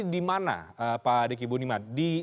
dimana pak diki budiman